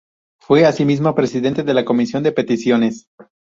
Fue así mismo Presidente de la Comisión de Peticiones.